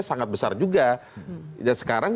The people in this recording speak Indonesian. sangat besar juga ya sekarang